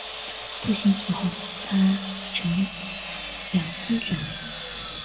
父亲死后他承袭城阳公爵位。